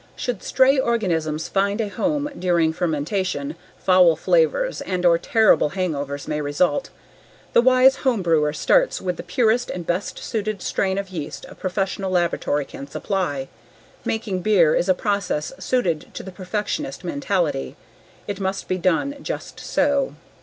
Should stray organisms find a home during fermentation, foul flavors and/or terrible hangovers may result. The wise homebrewer starts with the purest and best suited strain of yeast a professional laboratory can supply. Making beer is a process suited to the precisionist mentality, it must be done just so.